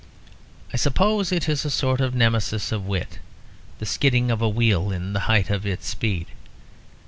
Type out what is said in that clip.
I suppose it is a sort of nemesis of wit; the skidding of a wheel in the height of its speed.